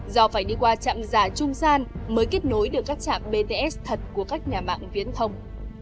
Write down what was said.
do phải đi qua trạm giả trung gian mới kết nối được các trạm bts thật của các nhà mạng viễn thông